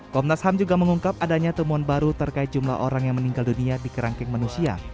komnas ham juga mengungkap adanya temuan baru terkait jumlah orang yang meninggal dunia di kerangkeng manusia